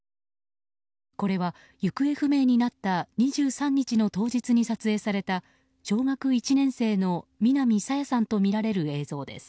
これは行方不明になった２３日の当日に撮影された小学１年生の南朝芽さんとみられる映像です。